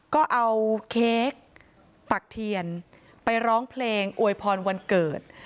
ก็เอาเค้กปักเทียนไปร้องเพลงอวยพรวันเกิด